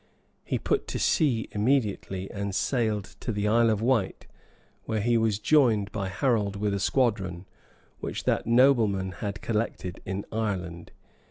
He put to sea immediately, and sailed to the Isle of Wight, where he was joined by Harold with a squadron, which that nobleman had collected in Ireland.